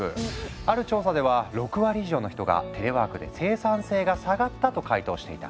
ある調査では６割以上の人が「テレワークで生産性が下がった」と回答していた。